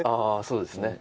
そうですね。